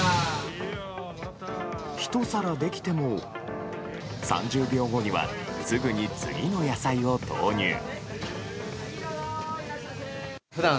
１皿できても３０秒後にはすぐに次の野菜を投入。